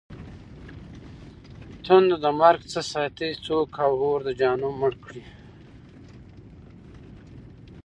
تنده د مرگ څه ساتې؟! څوک اور د جهنم مړ کړي؟!